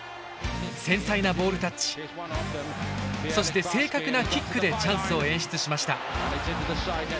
繊細なボールタッチそして正確なキックでチャンスを演出しました。